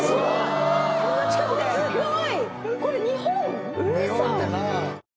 すごい！